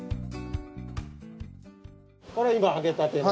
これ今揚げたての。